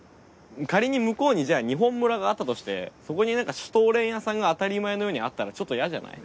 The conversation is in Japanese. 仮に向こうにじゃあ日本村があったとしてそこに何かシュトーレン屋さんが当たり前のようにあったらちょっと嫌じゃない？